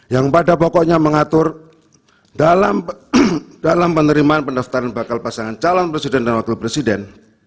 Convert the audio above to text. yang pada pokoknya mengatur dalam penerimaan pendaftaran bakal pasangan calon presiden dan wakil presiden